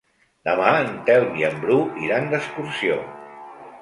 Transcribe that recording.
Demà en Telm i en Bru iran d'excursió.